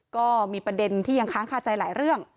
ก็มีประเด็นที่ยังค้างคาใจหลายเรื่อง